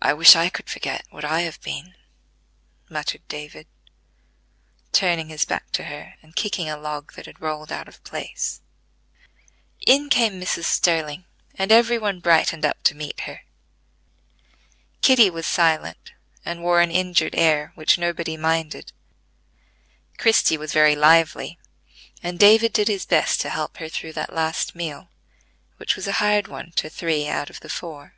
"I wish I could forget what I have been!" muttered David, turning his back to her and kicking a log that had rolled out of place. In came Mrs. Sterling, and every one brightened up to meet her. Kitty was silent, and wore an injured air which nobody minded; Christie was very lively; and David did his best to help her through that last meal, which was a hard one to three out of the four.